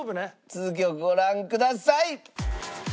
続きをご覧ください。